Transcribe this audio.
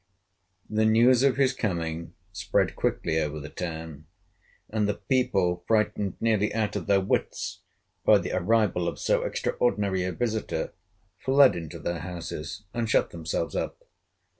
The news of his coming spread quickly over the town, and the people, frightened nearly out of their wits by the arrival of so extraordinary a visitor, fled into their houses, and shut themselves up.